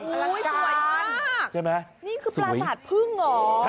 สวยมากนี่คือปราศาสตร์พึ่งหรอ